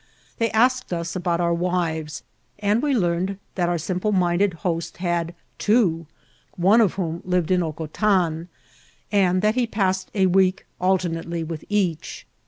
They asked ns about o«r wives, and we learned that our simple*minded host had two, one of whom lived at Hocotan, and that he passed a week al ternately with each.